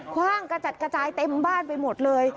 ว่างกระจัดกระจายเต็มบ้านไปหมดเลย